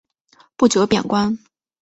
不久贬官。